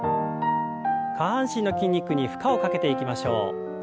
下半身の筋肉に負荷をかけていきましょう。